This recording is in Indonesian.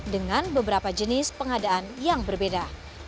dengan beberapa jenis pengadaan yang berbeda